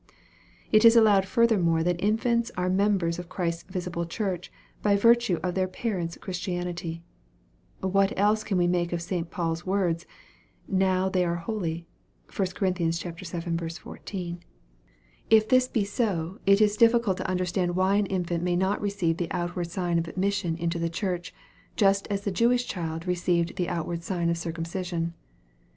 It is allowed furthermore that infants are members of Christ's visible church, by virtue of their parents' Chris tianity. What else can we make of St. Paul's words, " now are they holy " (1 Cor. vii. 14.) If this be so, it MARK, CHAP. X. 205 is difficult to understand \*hy an infant may not receive the outward sign of admission into the church, just as the Jewish child received the outward sign of circumcision.